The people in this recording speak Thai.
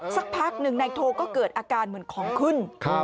สักพักหนึ่งนายโทก็เกิดอาการเหมือนของขึ้น